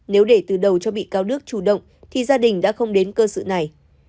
nếu để từ đầu cho bị cáo đức chủ động thì gia đình đã không đến cơ sở này